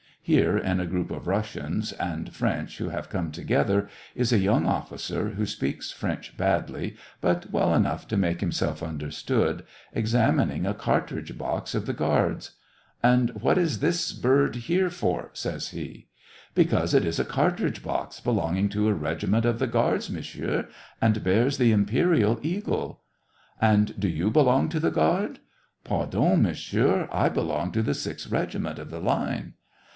Here, in a group of Russians and French who have come together, is a young officer, who speaks French badly, but well enough to make himself understood, examining a cartridge box of the guards. " And what is this bird here for }" says he. " Because it is a cartridge box belonging to Il6 SEVASTOPOL IN MAY, a regiment of the guards, Monsieur, and bears the Imperial eagle." And do you belong to the guard ?'* "Pardon, Monsieur, I belong to the sixth reg iment of the line."